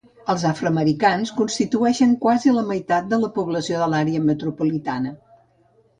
Els afroamericans constitueixen quasi la meitat de la població de l'àrea metropolitana.